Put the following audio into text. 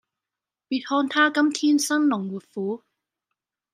別看他今天生龍活虎